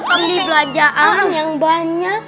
beli belajaan yang banyak